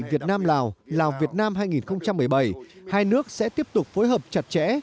việt nam lào lào việt nam hai nghìn một mươi bảy hai nước sẽ tiếp tục phối hợp chặt chẽ